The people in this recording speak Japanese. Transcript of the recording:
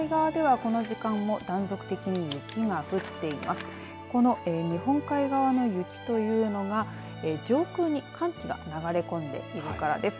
この日本海側の雪というのが上空に寒気が流れ込んでいるからです。